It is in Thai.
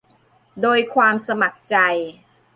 โดยความสมัครใจ